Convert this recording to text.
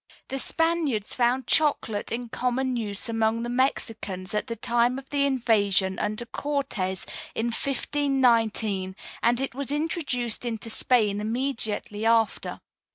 The Spaniards found chocolate in common use among the Mexicans at the time of the invasion under Cortez in 1519, and it was introduced into Spain immediately after.